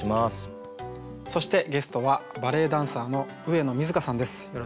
そしてゲストはバレエダンサーの上野水香さんです。